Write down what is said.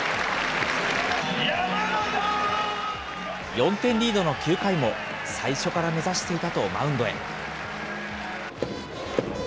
４点リードの９回も、最初から目指していたとマウンドへ。